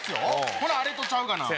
ほなあれとちゃうがな。